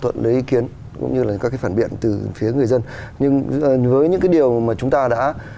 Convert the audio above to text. thuận lấy ý kiến cũng như là các cái phản biện từ phía người dân nhưng với những cái điều mà chúng ta đã